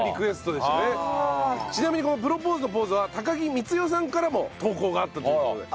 ちなみにこのプロポーズのポーズは木みつよさんからも投稿があったという事で。